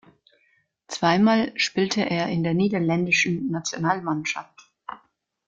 Zweimal spielte er in der niederländischen Nationalmannschaft.